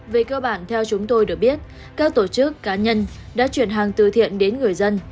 về cơ bản theo chúng tôi được biết các tổ chức cá nhân đã chuyển hàng từ thiện đến người dân